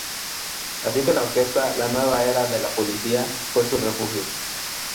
Así que la orquesta ‘La nueva era’, de la Policía, fue su refugio.